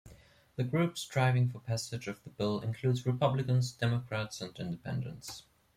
The group striving for passage of the bill includes Republicans, Democrats, and Independents.